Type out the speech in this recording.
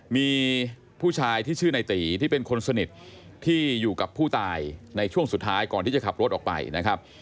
มีผู้ชายที่ชื่อในตีที่เป็นคนสนิทที่อยู่กับผู้ตายในช่วงสุดท้ายก่อนที่จะขับรถออกไปนะครับ